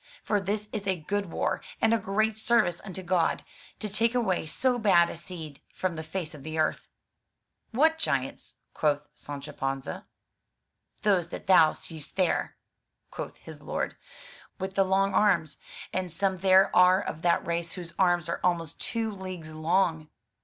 For this is a good war, and a great service unto God, to take away so bad a seed from the face of the earth.'' "What giants?'* quoth Sancho Panza. "Those that thou seest there," quoth his lord, "with the long arms. And some there are of that race whose arms are almost two leagues long."